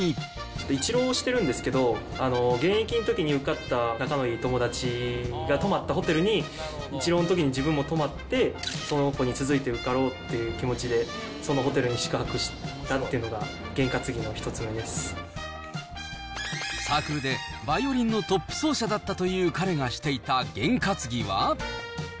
一浪してるんですけと、現役のときに受かった仲のいい友達が泊まったホテルに、一浪のときに自分も泊まって、その子に続いて受かろうという気持ちでそのホテルに宿泊したっていうのが、サークルで、バイオリンのトップ奏者だったという彼がしていた験担ぎは。